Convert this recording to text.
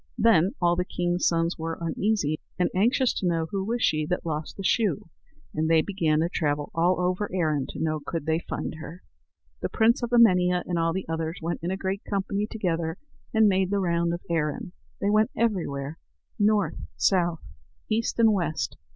Then all the kings' sons were uneasy, and anxious to know who was she that lost the shoe; and they began to travel all over Erin to know could they find her. The prince of Emania and all the others went in a great company together, and made the round of Erin; they went everywhere, north, south, east, and west.